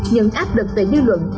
những áp đực về dư luận